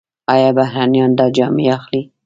آیا بهرنیان دا جامې اخلي؟